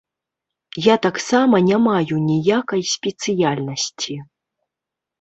Я таксама не маю ніякай спецыяльнасці.